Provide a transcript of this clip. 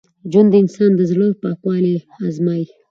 ژوند د انسان د زړه پاکوالی ازمېيي.